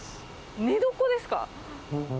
寝床ですか？